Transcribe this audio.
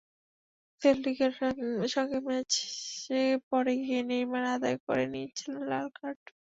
সেল্টিকের সঙ্গে ম্যাচে পড়ে গিয়ে নেইমার আদায় করে নিয়েছিলেন লাল কার্ড।